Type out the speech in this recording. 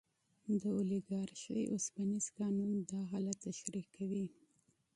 د اولیګارشۍ اوسپنیز قانون دا حالت تشریح کوي.